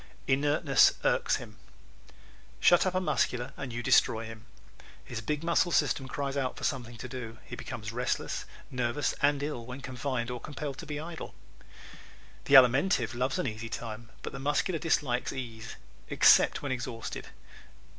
Inertness Irks Him ¶ Shut up a Muscular and you destroy him. His big muscle system cries out for something to do. He becomes restless, nervous and ill when confined or compelled to be idle. The Alimentive loves an easy time but the Muscular dislikes ease except when exhausted.